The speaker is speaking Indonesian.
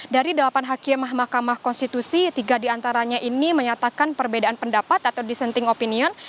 dari delapan hakim mahkamah konstitusi tiga diantaranya ini menyatakan perbedaan pendapat atau dissenting opinion